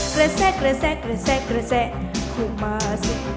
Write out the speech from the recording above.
กระแสกระแสกระแสกระแสกเข้ามาสิ